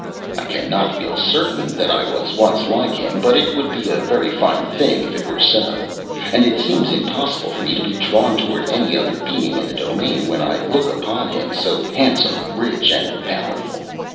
I cannot feel certain that I was once like him, but it would be a very fine thing if it were so; and it seems impossible for me to be drawn toward any other being in the domain when I look upon him, so handsome, rich, and powerful.